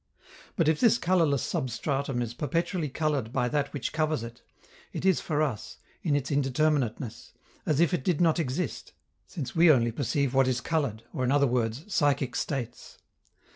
But if this colorless substratum is perpetually colored by that which covers it, it is for us, in its indeterminateness, as if it did not exist, since we only perceive what is colored, or, in other words, psychic states.